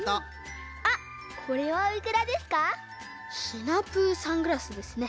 シナプーサングラスですね。